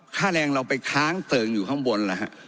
ค่าแรงเราไปค้างเติร์งอยู่ข้างบน